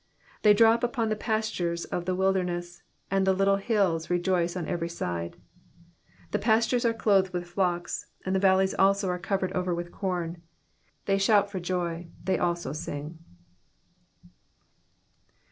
12 They drop upon the pastures of the wilderness : and the little hills rejoice on every side. 13 The pastures are clothed with flocks ; the valleys also are covered with corn ; they shout for joy, they also sing.